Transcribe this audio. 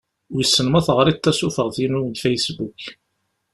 Wissen ma teɣriḍ tasufeɣt-inu deg Facebook.